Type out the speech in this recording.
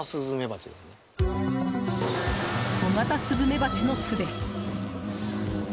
コガタスズメバチの巣です。